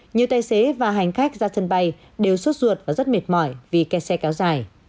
nhiều tài xế và hành khách ra sân bay đều suốt ruột và rất mệt mỏi vì kẹt xe kéo dài